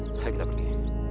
mari kita pergi